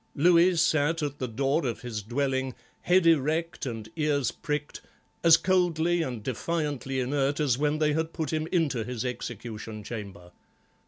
Louis sat at the door of his dwelling, head erect and ears pricked, as coldly and defiantly inert as when they had put him into his execution chamber.